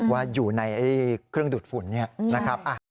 ว่าอยู่ในเครื่องดูดฝุ่นนี่นะครับ